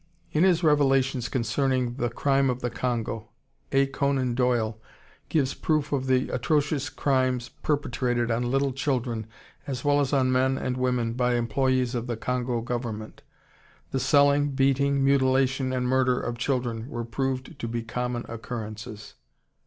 In his revelations concerning "The Crime of the Congo," A. Conan Doyle gives proof of the atrocious crimes perpetrated on little children as well as on men and women by employees of the Congo government. The selling, beating, mutilation, and murder of children were proved to be common occurrences.